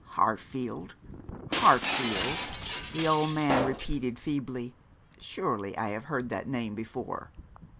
'Hartfield Hartfield,' the old man repeated, feebly. 'Surely I have heard that name before.'